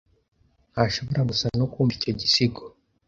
Ntashobora gusa no kumva icyo gisigo.